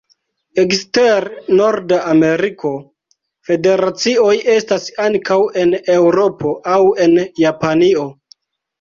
Ekster Norda Ameriko federacioj estas ankaŭ en Eŭropo aŭ en Japanio.